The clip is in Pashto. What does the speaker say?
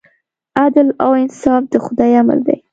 عدل او انصاف د خدای امر دی.